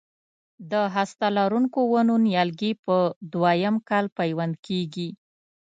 د هسته لرونکو ونو نیالګي په دوه یم کال پیوند کېږي.